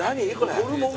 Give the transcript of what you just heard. ホルモン！